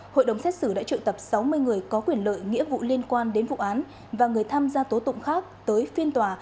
hội đồng xét xử đã trự tập sáu mươi người có quyền lợi nghĩa vụ liên quan đến vụ án và người tham gia tố tụng khác tới phiên tòa